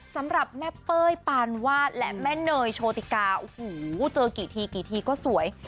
สำหรับแม่เป้ยปานวาดและแม่เนยโชติกาโอ้โหเจอกี่ทีกี่ทีก็สวย